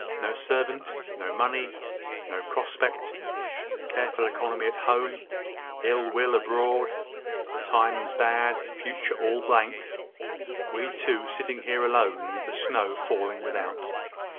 No servant, no money, no prospect! Careful economy at home, ill will abroad; the times bad, the future all blank we two sitting here alone, with the snow falling without!"